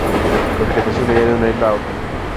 La vegetación varía de una isla a otra.